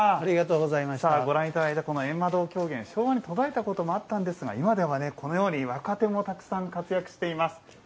ご覧いただいたこのゑんま堂狂言昭和に途絶えたこともあったんですが今ではこのように若手もたくさん活躍しています。